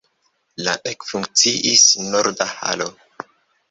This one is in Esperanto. La ekfunkciis norda halo.